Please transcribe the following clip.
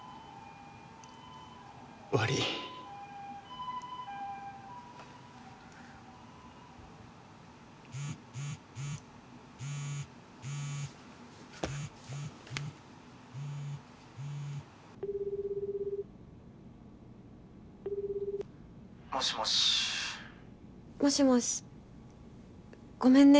悪ぃ・もしもしもしもしごめんね